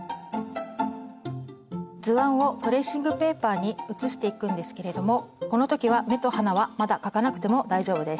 図案をトレーシングペーパーに写していくんですけれどもこの時は目と鼻はまだ描かなくても大丈夫です。